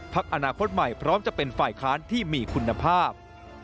อนาคตใหม่พร้อมจะเป็นฝ่ายค้านที่มีคุณภาพ